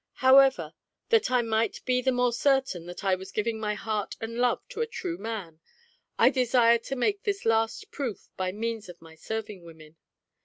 However, that I might be the more certain that I was giving my heart and love to a true man, I desired to make this last proof by means of my serving women.